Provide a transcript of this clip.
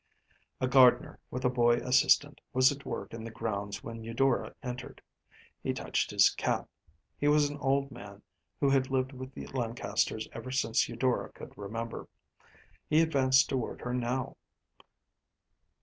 A gardener, with a boy assistant, was at work in the grounds when Eudora entered. He touched his cap. He was an old man who had lived with the Lancasters ever since Eudora could remember. He advanced toward her now.